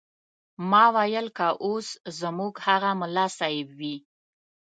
ما ویل که اوس زموږ هغه ملا صیب وي.